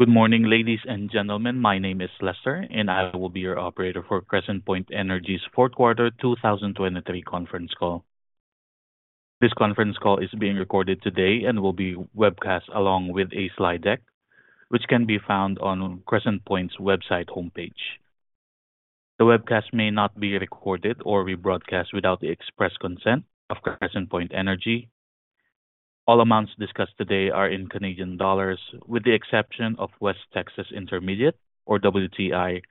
Good morning, ladies and gentlemen. My name is Lester, and I will be your operator for Crescent Point Energy's fourth quarter, 2023 conference call. This conference call is being recorded today and will be webcast along with a slide deck, which can be found on Crescent Point's website homepage. The webcast may not be recorded or rebroadcast without the express consent of Crescent Point Energy. All amounts discussed today are in Canadian dollars, with the exception of West Texas Intermediate, or WTI,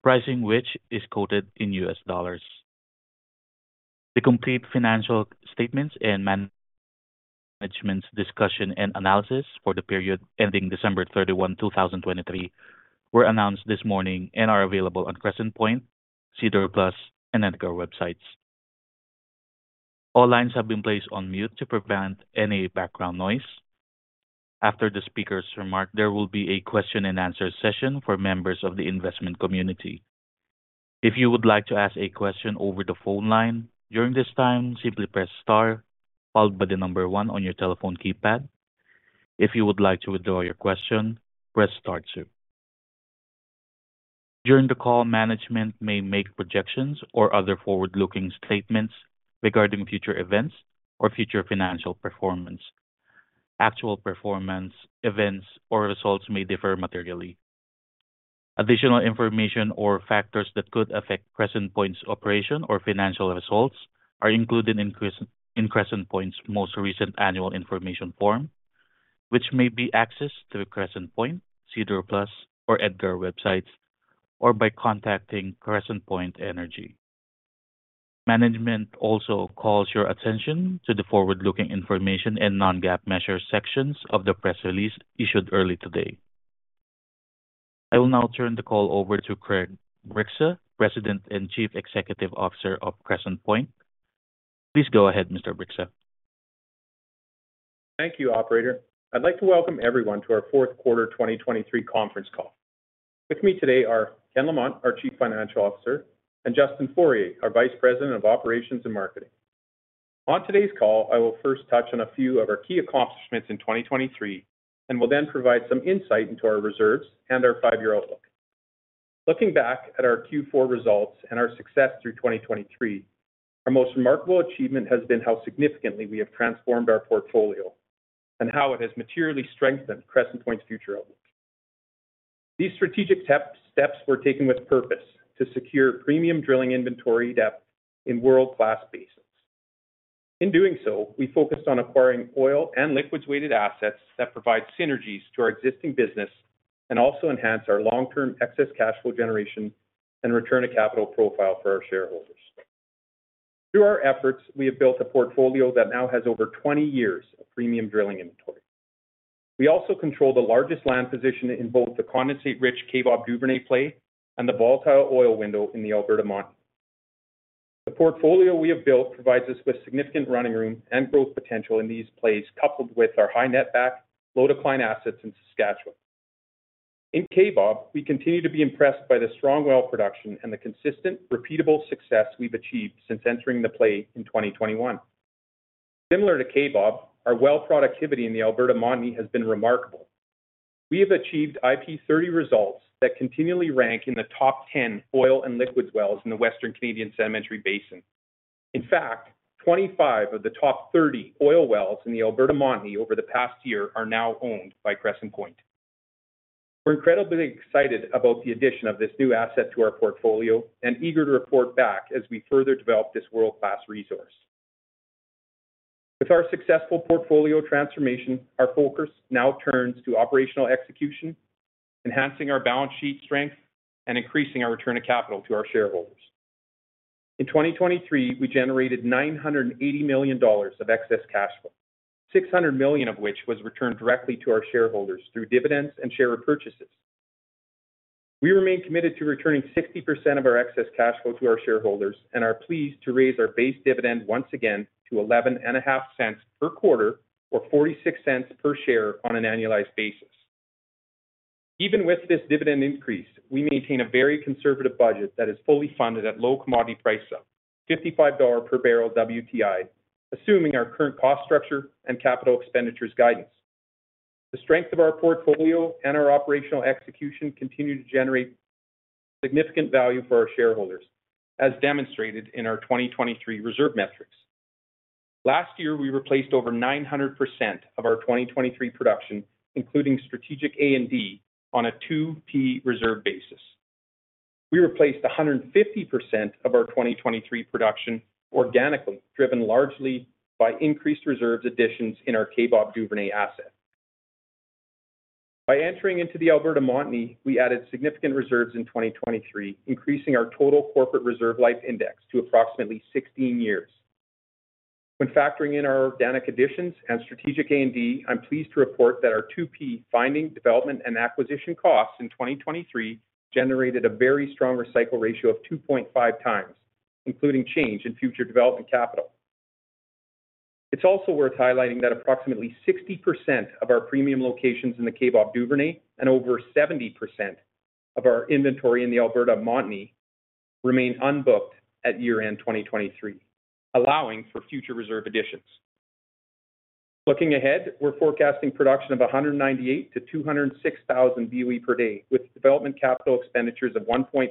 pricing, which is quoted in US dollars. The complete financial statements and management's discussion and analysis for the period ending December 31, 2023, were announced this morning and are available on Crescent Point, SEDAR+, and EDGAR websites. All lines have been placed on mute to prevent any background noise. After the speaker's remark, there will be a question and answer session for members of the investment community. If you would like to ask a question over the phone line during this time, simply press star, followed by the number one on your telephone keypad. If you would like to withdraw your question, press star two. During the call, management may make projections or other forward-looking statements regarding future events or future financial performance. Actual performance, events, or results may differ materially. Additional information or factors that could affect Crescent Point's operation or financial results are included in Crescent Point's most recent annual information form, which may be accessed through Crescent Point, SEDAR+, or EDGAR websites, or by contacting Crescent Point Energy. Management also calls your attention to the forward-looking information and non-GAAP measure sections of the press release issued early today. I will now turn the call over to Craig Bryksa, President and Chief Executive Officer of Crescent Point. Please go ahead, Mr. Bryksa. Thank you, operator. I'd like to welcome everyone to our fourth quarter 2023 conference call. With me today are Ken Lamont, our Chief Financial Officer, and Justin Foraie, our Vice President of Operations and Marketing. On today's call, I will first touch on a few of our key accomplishments in 2023, and will then provide some insight into our reserves and our five-year outlook. Looking back at our Q4 results and our success through 2023, our most remarkable achievement has been how significantly we have transformed our portfolio and how it has materially strengthened Crescent Point's future outlook. These strategic steps were taken with purpose to secure premium drilling inventory depth in world-class basins. In doing so, we focused on acquiring oil and liquids-weighted assets that provide synergies to our existing business and also enhance our long-term excess cash flow generation and return to capital profile for our shareholders. Through our efforts, we have built a portfolio that now has over 20 years of premium drilling inventory. We also control the largest land position in both the condensate-rich Kaybob Duvernay play and the volatile oil window in the Alberta Montney. The portfolio we have built provides us with significant running room and growth potential in these plays, coupled with our high netback, low decline assets in Saskatchewan. In Kaybob, we continue to be impressed by the strong well production and the consistent, repeatable success we've achieved since entering the play in 2021. Similar to Kaybob, our well productivity in the Alberta Montney has been remarkable. We have achieved IP30 results that continually rank in the top 10 oil and liquids wells in the Western Canadian Sedimentary Basin. In fact, 25 of the top 30 oil wells in the Alberta Montney over the past year are now owned by Crescent Point. We're incredibly excited about the addition of this new asset to our portfolio and eager to report back as we further develop this world-class resource. With our successful portfolio transformation, our focus now turns to operational execution, enhancing our balance sheet strength, and increasing our return of capital to our shareholders. In 2023, we generated 980 million dollars of excess cash flow, 600 million of which was returned directly to our shareholders through dividends and share repurchases. We remain committed to returning 60% of our excess cash flow to our shareholders and are pleased to raise our base dividend once again to 0.115 per quarter or 0.46 per share on an annualized basis. Even with this dividend increase, we maintain a very conservative budget that is fully funded at low commodity price of $55 per barrel WTI, assuming our current cost structure and capital expenditures guidance. The strength of our portfolio and our operational execution continue to generate significant value for our shareholders, as demonstrated in our 2023 reserve metrics. Last year, we replaced over 900% of our 2023 production, including strategic A&D, on a 2P reserve basis. We replaced 150% of our 2023 production organically, driven largely by increased reserves additions in our Kaybob Duvernay asset. By entering into the Alberta Montney, we added significant reserves in 2023, increasing our total corporate reserve life index to approximately 16 years. When factoring in our organic additions and strategic A&D, I'm pleased to report that our 2P finding, development, and acquisition costs in 2023 generated a very strong recycle ratio of 2.5 times, including change in future development capital. It's also worth highlighting that approximately 60% of our premium locations in the Kaybob Duvernay and over 70% of our inventory in the Alberta Montney remain unbooked at year-end 2023, allowing for future reserve additions. Looking ahead, we're forecasting production of 198,000-206,000 BOE per day, with development capital expenditures of 1.4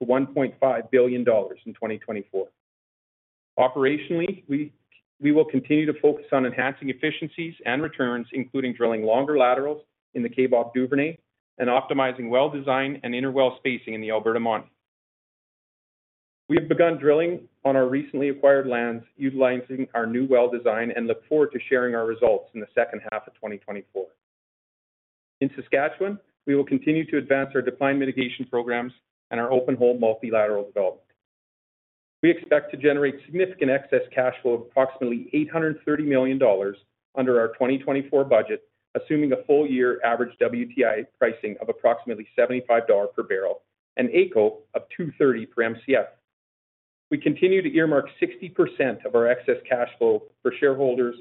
billion-1.5 billion dollars in 2024. Operationally, we will continue to focus on enhancing efficiencies and returns, including drilling longer laterals in the Kaybob Duvernay and optimizing well design and inter-well spacing in the Alberta Montney. We have begun drilling on our recently acquired lands, utilizing our new well design, and look forward to sharing our results in the second half of 2024. In Saskatchewan, we will continue to advance our decline mitigation programs and our open hole multilateral development. We expect to generate significant excess cash flow of approximately 830 million dollars under our 2024 budget, assuming a full year average WTI pricing of approximately $75 per barrel and AECO of 2.30 per Mcf. We continue to earmark 60% of our excess cash flow for shareholders,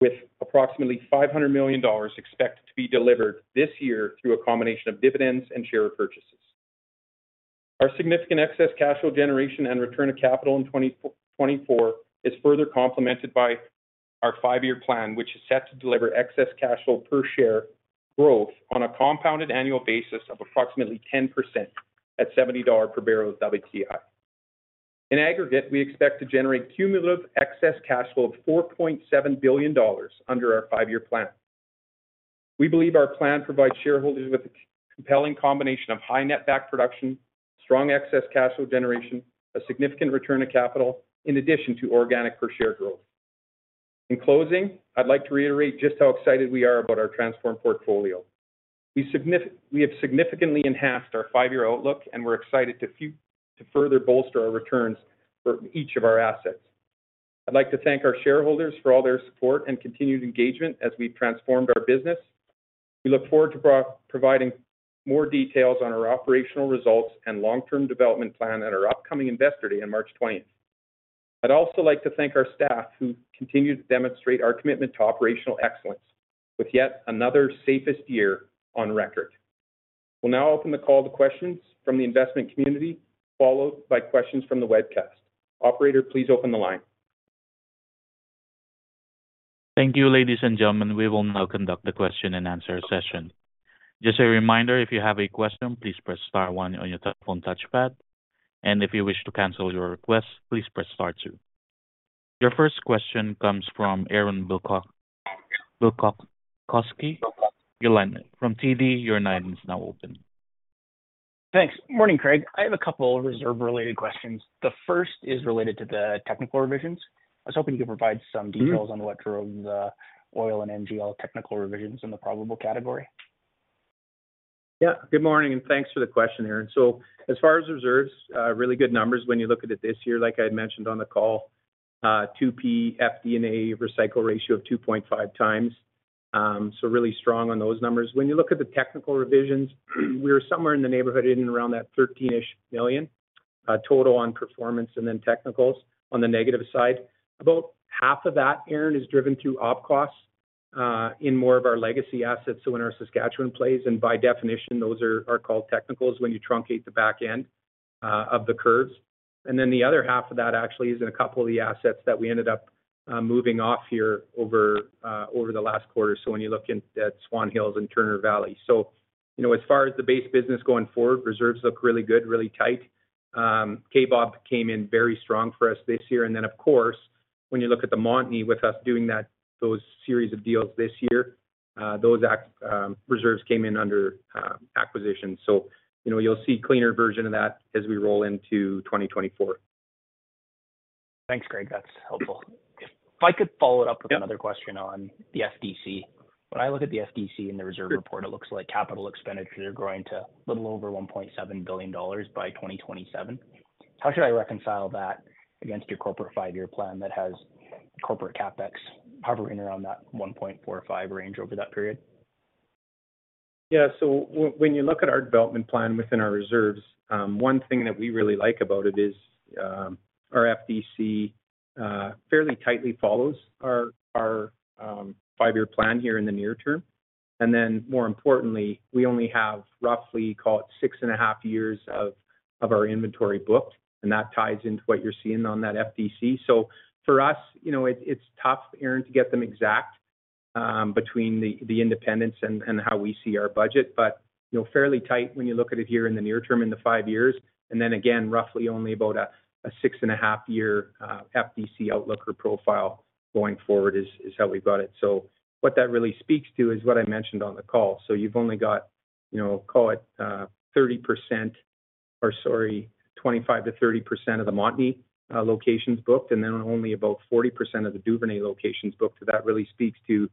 with approximately 500 million dollars expected to be delivered this year through a combination of dividends and share repurchases. Our significant excess cash flow generation and return of capital in 2024 is further complemented by our five-year plan, which is set to deliver excess cash flow per share growth on a compounded annual basis of approximately 10% at $70 per barrel of WTI. In aggregate, we expect to generate cumulative excess cash flow of 4.7 billion dollars under our five-year plan. We believe our plan provides shareholders with a compelling combination of high net back production, strong excess cash flow generation, a significant return of capital in addition to organic per share growth. In closing, I'd like to reiterate just how excited we are about our transformed portfolio. We have significantly enhanced our five-year outlook, and we're excited to further bolster our returns for each of our assets. I'd like to thank our shareholders for all their support and continued engagement as we've transformed our business. We look forward to providing more details on our operational results and long-term development plan at our upcoming Investor Day on March 20. I'd also like to thank our staff, who continue to demonstrate our commitment to operational excellence with yet another safest year on record. We'll now open the call to questions from the investment community, followed by questions from the webcast. Operator, please open the line. Thank you, ladies and gentlemen. We will now conduct the question-and-answer session. Just a reminder, if you have a question, please press star one on your telephone touchpad, and if you wish to cancel your request, please press star two. Your first question comes from Aaron Bilkoski, TD Securities. Your line... From TD, your line is now open. Thanks. Morning, Craig. I have a couple of reserve-related questions. The first is related to the technical revisions. I was hoping you could provide some details on what drove the oil and NGL technical revisions in the probable category? Yeah. Good morning, and thanks for the question, Aaron. So as far as reserves, really good numbers when you look at it this year, like I had mentioned on the call, 2P FD&A recycle ratio of 2.5 times. So really strong on those numbers. When you look at the technical revisions, we were somewhere in the neighborhood in and around that 13-ish million total on performance and then technicals on the negative side. About half of that, Aaron, is driven through op costs in more of our legacy assets, so in our Saskatchewan plays, and by definition, those are called technicals, when you truncate the back end of the curves. And then the other half of that actually is in a couple of the assets that we ended up moving off here over the last quarter. So when you look in at Swan Hills and Turner Valley. So, you know, as far as the base business going forward, reserves look really good, really tight. Kaybob came in very strong for us this year. And then, of course, when you look at the Montney, with us doing that, those series of deals this year, reserves came in under acquisition. So, you know, you'll see cleaner version of that as we roll into 2024. Thanks, Craig. That's helpful. If I could follow it up- Yep. With another question on the FDC. When I look at the FDC in the reserve report, it looks like capital expenditures are growing to a little over 1.7 billion dollars by 2027. How should I reconcile that against your corporate five-year plan that has corporate CapEx hovering around that 1.4-1.5 range over that period? Yeah. So when you look at our development plan within our reserves, one thing that we really like about it is, our FDC fairly tightly follows our five-year plan here in the near term. And then more importantly, we only have roughly, call it, 6.5 years of our inventory booked, and that ties into what you're seeing on that FDC. So for us, you know, it, it's tough, Aaron, to get them exact, between the independence and how we see our budget, but, you know, fairly tight when you look at it here in the near term, in the five years. And then again, roughly only about a 6.5-year FDC outlook or profile going forward is how we've got it. So what that really speaks to is what I mentioned on the call. So you've only got, you know, call it, 30%, or sorry, 25%-30% of the Montney locations booked, and then only about 40% of the Duvernay locations booked. So that really speaks to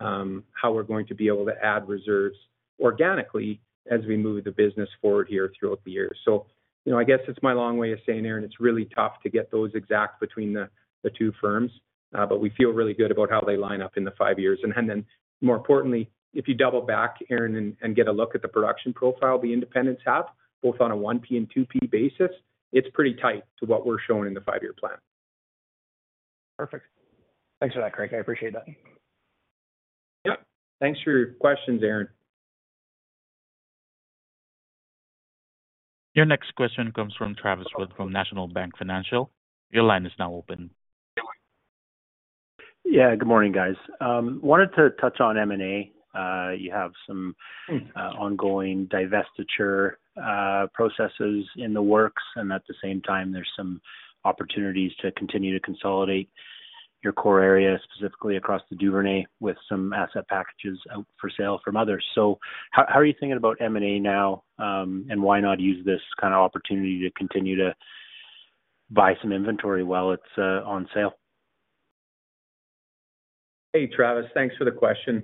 how we're going to be able to add reserves organically as we move the business forward here throughout the year. So, you know, I guess it's my long way of saying, Aaron, it's really tough to get those exact between the two firms, but we feel really good about how they line up in the five years. And then, more importantly, if you double back, Aaron, and get a look at the production profile the independents have, both on a 1P and 2P basis, it's pretty tight to what we're showing in the five-year plan. Perfect. Thanks for that, Craig. I appreciate that. Thanks for your questions, Aaron. Your next question comes from Travis Wood from National Bank Financial. Your line is now open. Yeah, good morning, guys. Wanted to touch on M&A. You have some ongoing divestiture processes in the works, and at the same time, there's some opportunities to continue to consolidate your core areas, specifically across the Duvernay, with some asset packages out for sale from others. So how are you thinking about M&A now? And why not use this kind of opportunity to continue to buy some inventory while it's on sale? Hey, Travis. Thanks for the question.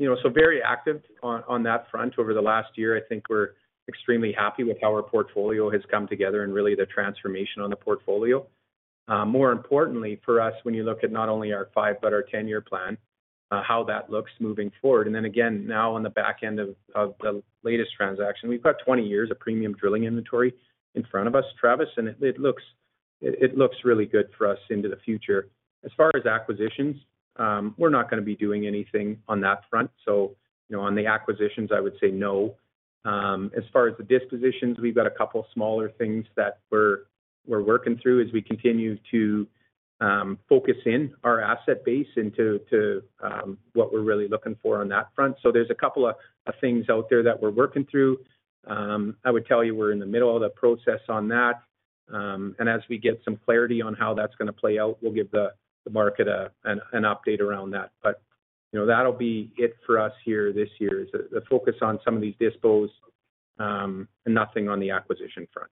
You know, so very active on, on that front over the last year. I think we're extremely happy with how our portfolio has come together and really the transformation on the portfolio. More importantly, for us, when you look at not only our 5, but our 10-year plan, how that looks moving forward. And then again, now on the back end of, of the latest transaction, we've got 20 years of premium drilling inventory in front of us, Travis, and it, it looks, it, it looks really good for us into the future. As far as acquisitions, we're not gonna be doing anything on that front. So, you know, on the acquisitions, I would say no. As far as the dispositions, we've got a couple of smaller things that we're working through as we continue to focus in our asset base into to what we're really looking for on that front. So there's a couple of things out there that we're working through. I would tell you, we're in the middle of that process on that. And as we get some clarity on how that's gonna play out, we'll give the market an update around that. But, you know, that'll be it for us here this year, is the focus on some of these dispositions, and nothing on the acquisition front.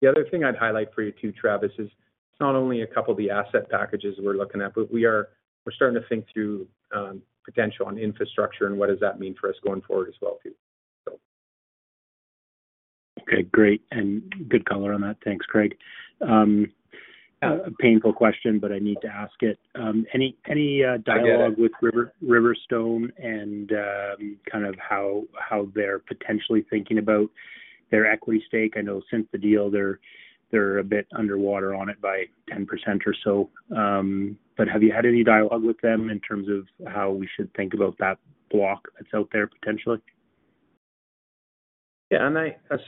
The other thing I'd highlight for you, too, Travis, is it's not only a couple of the asset packages we're looking at, but we're starting to think through potential on infrastructure and what does that mean for us going forward as well, too, so. Okay, great, and good color on that. Thanks, Craig. A painful question, but I need to ask it. Any dialogue- I get it. With Riverstone and kind of how they're potentially thinking about their equity stake? I know since the deal, they're a bit underwater on it by 10% or so. But have you had any dialogue with them in terms of how we should think about that block that's out there, potentially? Yeah,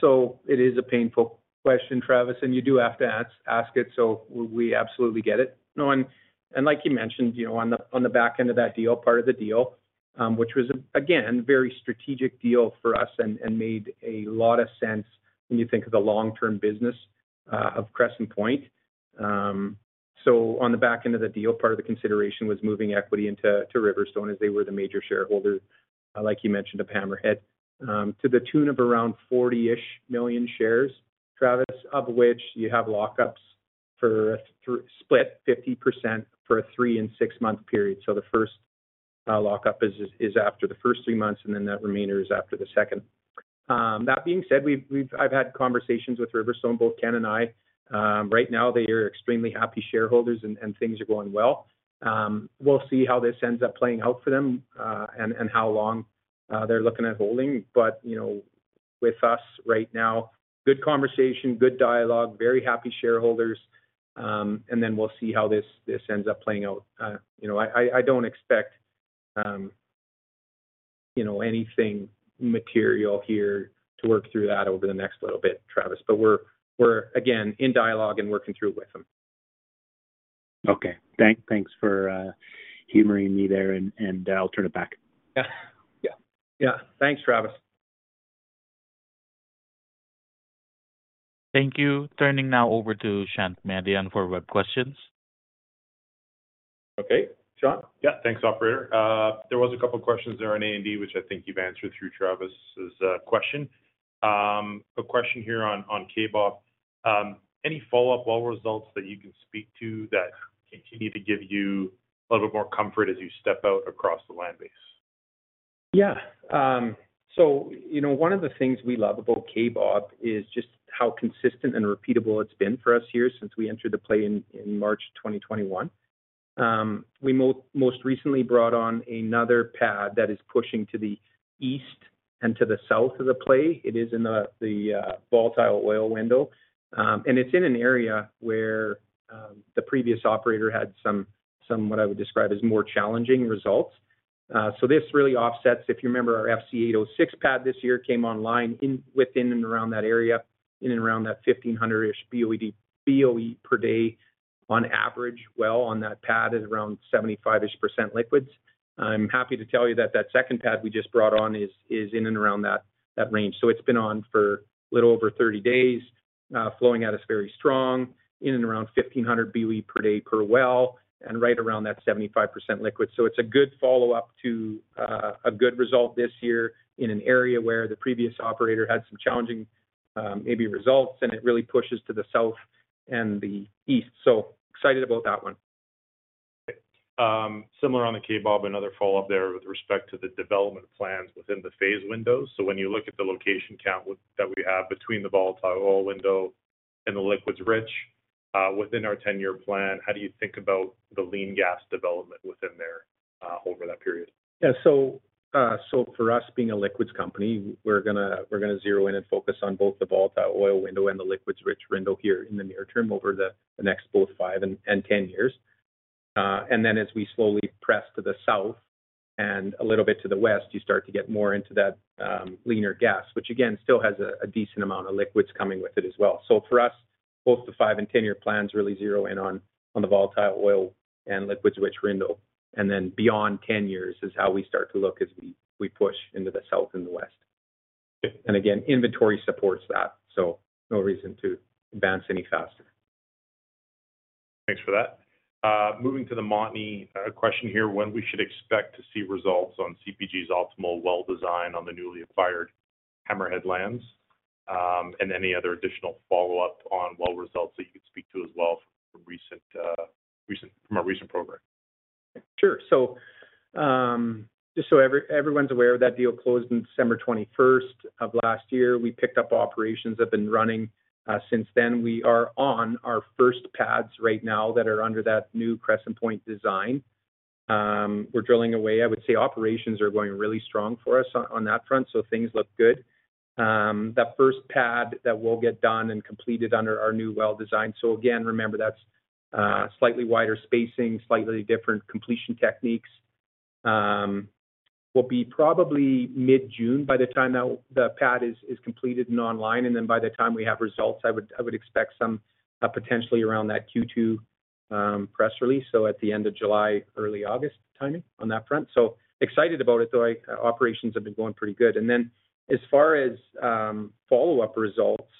so it is a painful question, Travis, and you do have to ask it, so we absolutely get it. You know, and like you mentioned, you know, on the back end of that deal, part of the deal, which was, again, very strategic deal for us and made a lot of sense when you think of the long-term business of Crescent Point. So on the back end of the deal, part of the consideration was moving equity into Riverstone, as they were the major shareholder, like you mentioned, of Hammerhead, to the tune of around 40 million shares, Travis, of which you have lockups for split 50% for a three- and six-month period. So the first lockup is after the first three months, and then that remainder is after the second. That being said, we've had conversations with Riverstone, both Ken and I. Right now, they are extremely happy shareholders and things are going well. We'll see how this ends up playing out for them, and how long they're looking at holding. But, you know, with us right now, good conversation, good dialogue, very happy shareholders. And then we'll see how this ends up playing out. You know, I don't expect you know, anything material here to work through that over the next little bit, Travis, but we're again, in dialogue and working through with them. Okay. Thanks for humoring me there, and I'll turn it back. Yeah. Yeah. Yeah. Thanks, Travis. Thank you. Turning now over to Shant Madian for web questions. Okay, Shant. Yeah, thanks, operator. There was a couple of questions there on A&D, which I think you've answered through Travis's question. A question here on, on Kaybob. Any follow-up well results that you can speak to that continue to give you a little bit more comfort as you step out across the land base? Yeah. So you know, one of the things we love about Kaybob is just how consistent and repeatable it's been for us here since we entered the play in March 2021. We most recently brought on another pad that is pushing to the east and to the south of the play. It is in the volatile oil window. And it's in an area where the previous operator had some what I would describe as more challenging results. So this really offsets. If you remember, our [inaudible] pad this year came online within and around that area, in and around that 1,500-ish BOE per day on average. Well, on that pad is around 75-ish% liquids. I'm happy to tell you that second pad we just brought on is in and around that range. So it's been on for a little over 30 days, flowing out is very strong, in and around 1,500 BOE per day per well, and right around that 75% liquid. So it's a good follow-up to, a good result this year in an area where the previous operator had some challenging, maybe results, and it really pushes to the south and the east. So excited about that one. Similar on the Kaybob, another follow-up there with respect to the development plans within the phase windows. So when you look at the location count with that we have between the volatile oil window and the liquids-rich, within our 10-year plan, how do you think about the lean gas development within there, over that period? Yeah. So, for us, being a liquids company, we're gonna zero in and focus on both the Volatile Oil Window and the liquids-rich window here in the near term, over the next both five and 10 years. And then as we slowly press to the south and a little bit to the west, you start to get more into that leaner gas. Which again, still has a decent amount of liquids coming with it as well. So for us, both the five- and 10-year plans really zero in on the Volatile Oil and liquids-rich window. And then beyond 10 years is how we start to look as we push into the south and the west. And again, inventory supports that, so no reason to advance any faster. Thanks for that. Moving to the Montney, a question here, when we should expect to see results on CPG's optimal well design on the newly acquired Hammerhead lands? And any other additional follow-up on well results that you could speak to as well from recent, from our recent program. Sure. So, just so everyone's aware, that deal closed in December 21st of last year. We picked up operations that have been running since then. We are on our first pads right now that are under that new Crescent Point design. We're drilling away. I would say operations are going really strong for us on that front, so things look good. That first pad that we'll get done and completed under our new well design... So again, remember, that's slightly wider spacing, slightly different completion techniques, will be probably mid-June by the time that the pad is completed and online. And then by the time we have results, I would expect some potentially around that Q2 press release. So at the end of July, early August timing on that front. So excited about it, though. Operations have been going pretty good. Then, as far as follow-up results,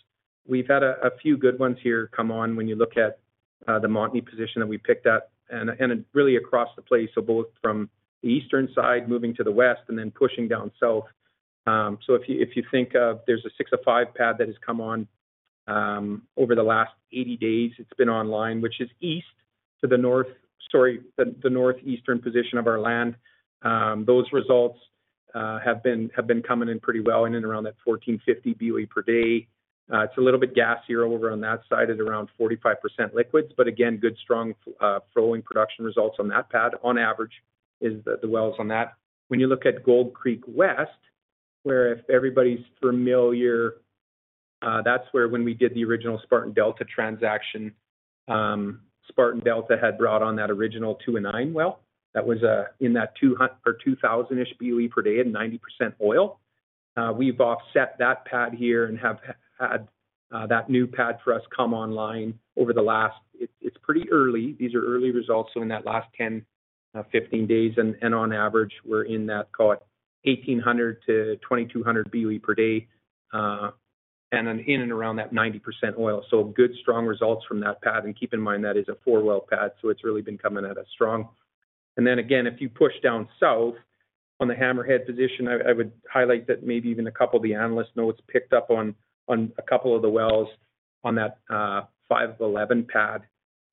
we've had a few good ones here come on when you look at the Montney position that we picked up and really across the place. So both from the eastern side, moving to the west, and then pushing down south. So if you think of, there's a 6-5 pad that has come on over the last 80 days; it's been online, which is east to the north, the northeastern position of our land. Those results have been coming in pretty well, in and around that 1,450 BOE per day. It's a little bit gassier over on that side, at around 45% liquids. But again, good, strong, flowing production results on that pad on average, is the, the wells on that. When you look at Gold Creek West, where if everybody's familiar, that's where when we did the original Spartan Delta transaction, Spartan Delta had brought on that original 2 and 9 well, that was, in that 2,000-ish BOE per day and 90% oil. We've offset that pad here and have had, that new pad for us come online over the last. It's pretty early. These are early results, so in that last 10-15 days, and on average, we're in that, call it 1,800-2,200 BOE per day, and then in and around that 90% oil. So good, strong results from that pad. Keep in mind, that is a 4-well pad, so it's really been coming at us strong. Then again, if you push down south on the Hammerhead position, I would highlight that maybe even a couple of the analyst notes picked up on a couple of the wells on that 5 of 11 pad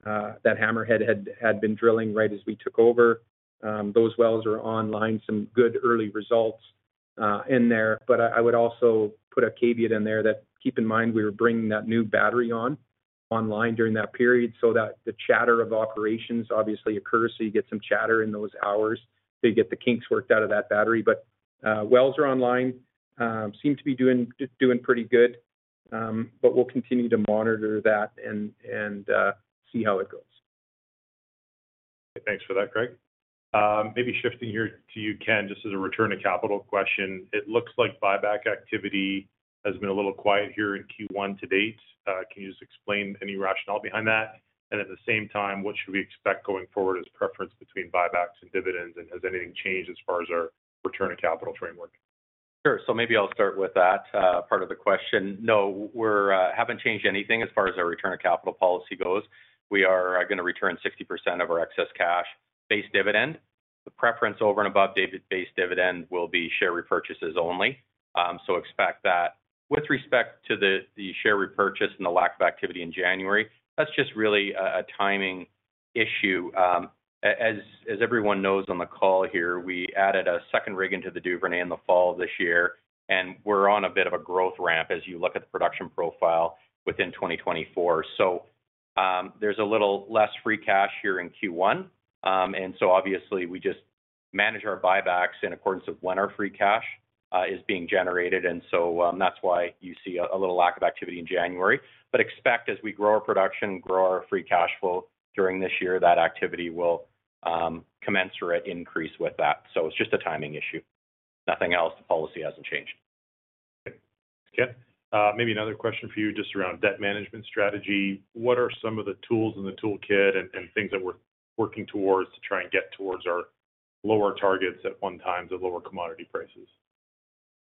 that Hammerhead had been drilling right as we took over. Those wells are online, some good early results in there. But I would also put a caveat in there that keep in mind, we were bringing that new battery online during that period, so that the chatter of operations obviously occurs. So you get some chatter in those hours to get the kinks worked out of that battery. But wells are online, seem to be doing pretty good. But we'll continue to monitor that and see how it goes. Thanks for that, Greg. Maybe shifting here to you, Ken, just as a return to capital question. It looks like buyback activity has been a little quiet here in Q1 to date. Can you just explain any rationale behind that? And at the same time, what should we expect going forward as preference between buybacks and dividends, and has anything changed as far as our return on capital framework? Sure. So maybe I'll start with that, part of the question. No, we haven't changed anything as far as our return on capital policy goes. We are gonna return 60% of our excess cash base dividend. The preference over and above dividend, base dividend will be share repurchases only, so expect that. With respect to the share repurchase and the lack of activity in January, that's just really a timing issue. As everyone knows on the call here, we added a second rig into the Duvernay in the fall of this year, and we're on a bit of a growth ramp as you look at the production profile within 2024. So, there's a little less free cash here in Q1. And so obviously, we just manage our buybacks in accordance of when our free cash is being generated, and so, that's why you see a little lack of activity in January. But expect as we grow our production, grow our free cash flow during this year, that activity will commensurate increase with that. So it's just a timing issue, nothing else. The policy hasn't changed. Okay. Maybe another question for you, just around debt management strategy. What are some of the tools in the toolkit and things that we're working towards to try and get towards our lower targets at one time, the lower commodity prices?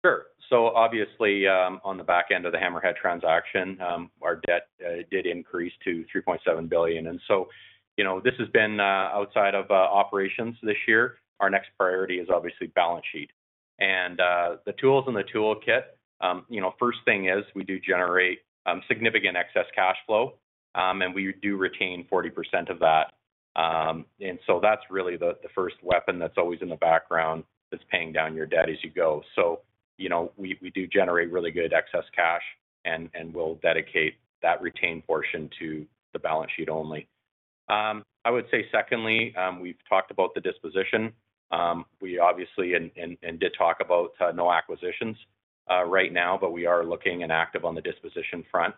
Sure. So obviously, on the back end of the Hammerhead transaction, our debt did increase to 3.7 billion. You know, this has been outside of operations this year. Our next priority is obviously balance sheet. The tools in the toolkit, you know, first thing is, we do generate significant excess cash flow, and we do retain 40% of that. That's really the first weapon that's always in the background, that's paying down your debt as you go. So you know, we do generate really good excess cash, and we'll dedicate that retained portion to the balance sheet only. I would say secondly, we've talked about the disposition. We obviously did talk about no acquisitions right now, but we are looking and active on the disposition front.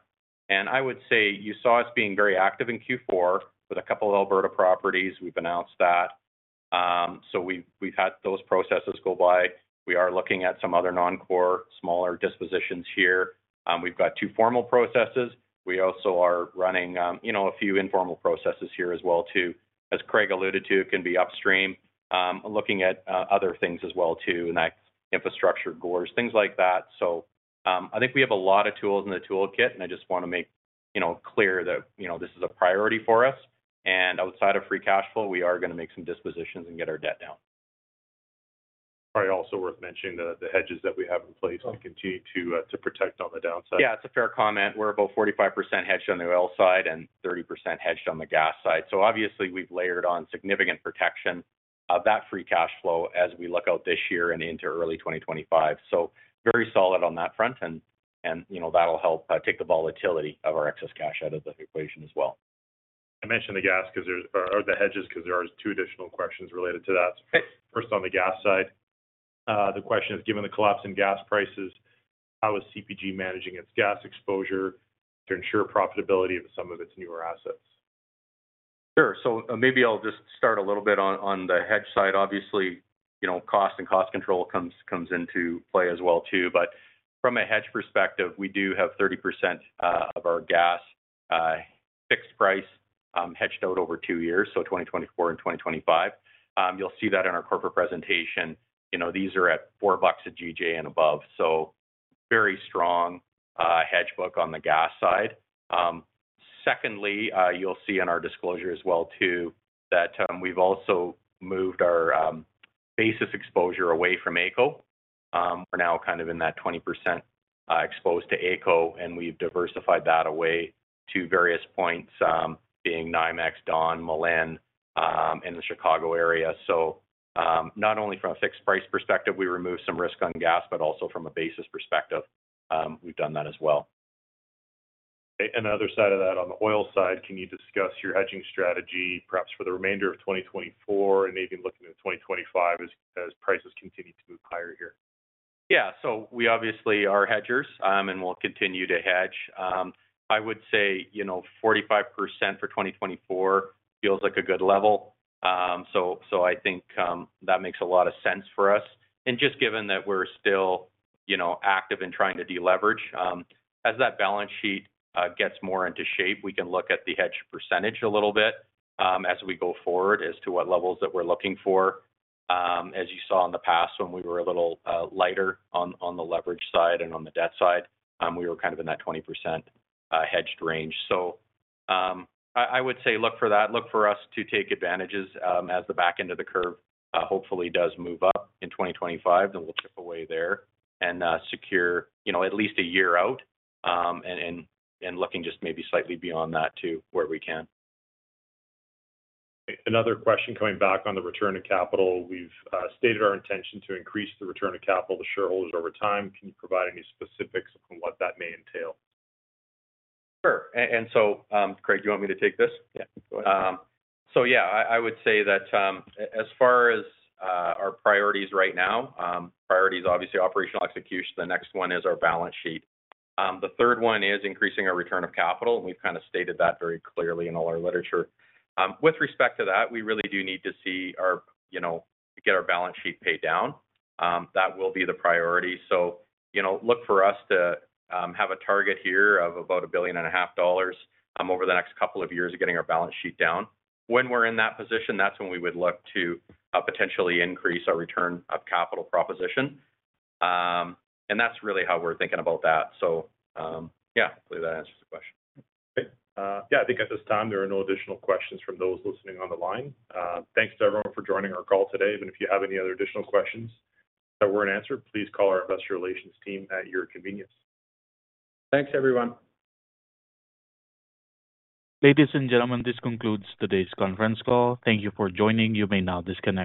I would say you saw us being very active in Q4 with a couple of Alberta properties. We've announced that. So we've had those processes go by. We are looking at some other non-core, smaller dispositions here. We've got two formal processes. We also are running, you know, a few informal processes here as well too. As Craig alluded to, it can be upstream. Looking at other things as well too, in that infrastructure, [inaudible] things like that. I think we have a lot of tools in the toolkit, and I just want to make, you know, clear that, you know, this is a priority for us, and outside of free cash flow, we are going to make some dispositions and get our debt down. Probably also worth mentioning the hedges that we have in place and continue to protect on the downside. Yeah, it's a fair comment. We're about 45% hedged on the oil side and 30% hedged on the gas side. So obviously, we've layered on significant protection of that free cash flow as we look out this year and into early 2025. So very solid on that front, and you know, that'll help take the volatility of our excess cash out of the equation as well. I mentioned the gas because there's or the hedges because there are two additional questions related to that. Okay. First, on the gas side, the question is: Given the collapse in gas prices, how is CPG managing its gas exposure to ensure profitability of some of its newer assets? Sure. Maybe I'll just start a little bit on the hedge side. Obviously, you know, cost and cost control comes, comes into play as well, too. But from a hedge perspective, we do have 30% of our gas fixed price hedged out over two years, so 2024 and 2025. You'll see that in our corporate presentation. You know, these are at 4 bucks/GJ and above, so very strong hedge book on the gas side. Secondly, you'll see in our disclosure as well, too, that we've also moved our basis exposure away from AECO. We're now kind of in that 20% exposed to AECO, and we've diversified that away to various points, being NYMEX, Dawn, Malin, in the Chicago area. So, not only from a fixed price perspective, we removed some risk on gas, but also from a basis perspective, we've done that as well. The other side of that, on the oil side, can you discuss your hedging strategy, perhaps for the remainder of 2024 and maybe looking at 2025 as, as prices continue to move higher here? Yeah. So we obviously are hedgers, and we'll continue to hedge. I would say, you know, 45% for 2024 feels like a good level. So, so I think that makes a lot of sense for us. And just given that we're still, you know, active in trying to deleverage, as that balance sheet gets more into shape, we can look at the hedge percentage a little bit, as we go forward as to what levels that we're looking for. As you saw in the past, when we were a little lighter on the leverage side and on the debt side, we were kind of in that 20% hedged range. So, I would say look for that. Look for us to take advantages, as the back end of the curve hopefully does move up in 2025, then we'll chip away there and secure, you know, at least a year out, and looking just maybe slightly beyond that, too, where we can. Another question coming back on the return of capital. We've stated our intention to increase the return of capital to shareholders over time. Can you provide any specifics on what that may entail? Sure. And so, Craig, do you want me to take this? Yeah, go ahead. So yeah, I would say that, as far as our priorities right now, priority is obviously operational execution. The next one is our balance sheet. The third one is increasing our return of capital, and we've kind of stated that very clearly in all our literature. With respect to that, we really do need to see our... You know, get our balance sheet paid down. That will be the priority. So, you know, look for us to have a target here of about 1.5 billion, over the next couple of years of getting our balance sheet down. When we're in that position, that's when we would look to potentially increase our return of capital proposition. And that's really how we're thinking about that. So, yeah, hopefully that answers the question. Okay. Yeah, I think at this time there are no additional questions from those listening on the line. Thanks to everyone for joining our call today. But if you have any other additional questions that weren't answered, please call our investor relations team at your convenience. Thanks, everyone. Ladies and gentlemen, this concludes today's conference call. Thank you for joining. You may now disconnect.